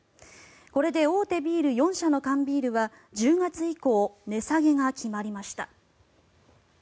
これで大手ビール４社の缶ビールは１０月以降値下げが決まりました。